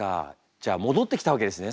じゃあ戻ってきたわけですね